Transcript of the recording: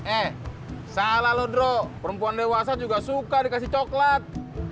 eh salah loh dro perempuan dewasa juga suka dikasih coklat